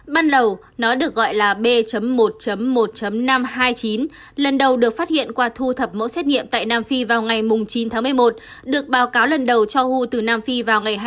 ban đầu nó được gọi là b một một năm trăm hai mươi chín lần đầu được phát hiện qua thu thập mẫu xét nghiệm tại nam phi vào ngày chín một mươi một được báo cáo lần đầu cho who từ nam phi vào ngày hai mươi bốn một mươi một